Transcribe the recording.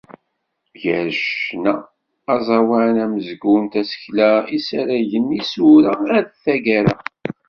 Gar ccna, aẓawan, amezgun, tasekla, isaragen, isura, ar taggara.